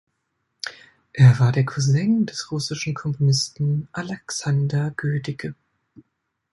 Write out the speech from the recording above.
Er war der Cousin des russischen Komponisten Alexander Goedicke.